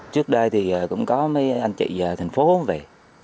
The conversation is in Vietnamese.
trước đây thì cũng có mấy anh chị thành phố về